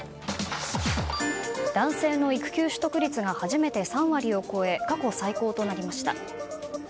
男性の育休取得率が初めて３割を超え過去最高となりました。